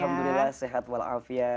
alhamdulillah sehat walafiat